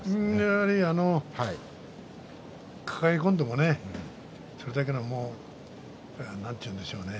やはり抱え込んでいてもそれだけのなんて言うんでしょうね